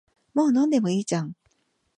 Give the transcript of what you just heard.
もう飲んでもいいじゃん